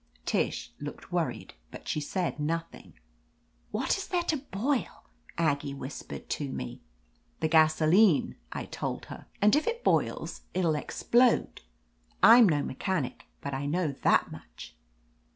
Tish looked worried, but she said nothing, "What is there to boil?" Aggie whispered tome. "The gasoline," I told her; "and if it boils 22*J ^ THE AMAZING ADVENTURES it'll explode, I'm no mechanic, but I know that much."